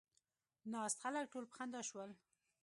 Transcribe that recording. ناست خلک ټول په خندا شول.